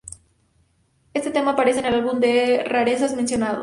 Este tema aparece en el álbum de rarezas mencionado.